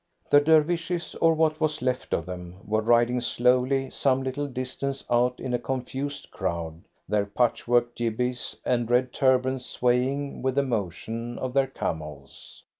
The Dervishes or what was left of them were riding slowly some little distance out in a confused crowd, their patchwork jibbehs and red turbans swaying with the motion of their camels.